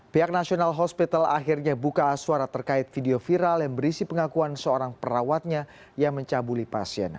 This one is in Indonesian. pihak nasional hospital akhirnya buka suara terkait video viral yang berisi pengakuan seorang perawatnya yang mencabuli pasien